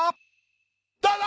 どうぞ！